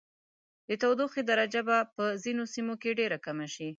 د تودوخې درجه به په ځینو سیمو کې ډیره کمه شي.